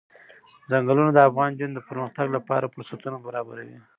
ځنګلونه د افغان نجونو د پرمختګ لپاره فرصتونه برابروي.